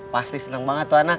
pasti seneng banget tuanak